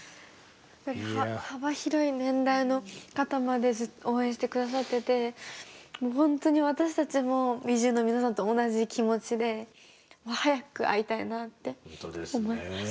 幅広い年代の方まで応援して下さっててほんとに私たちもＷｉｔｈＵの皆さんと同じ気持ちで早く会いたいなって思います。